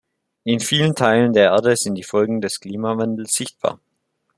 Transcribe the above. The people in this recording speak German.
In vielen Teilen der Erde sind die Folgen des Klimawandels sichtbar.